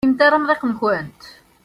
Ur tewwimt ara amḍiq-nkent.